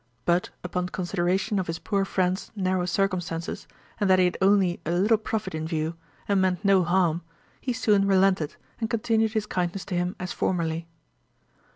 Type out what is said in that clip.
But, upon consideration of his poor friend's narrow circumstances, and that he had only a little profit in view, and meant no harm, he soon relented, and continued his kindness to him as formerly.